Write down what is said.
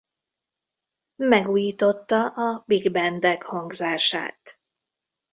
Megújította a big bandek hangzását.